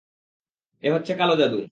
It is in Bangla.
এ হচ্ছে কালো জাদু।